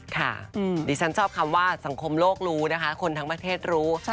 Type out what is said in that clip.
ดิฉันชอบคำว่าสังคมโลกรู้นะคะคนทั้งประเทศรู้